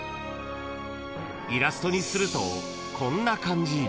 ［イラストにするとこんな感じ］